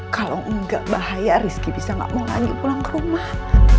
kalau enggak bahaya rizky bisa gak mau lanjut pulang ke rumah